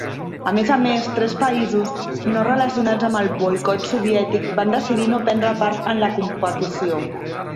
A més a més, tres països no relacionats amb el boicot soviètic van decidir no prendre part en la competició.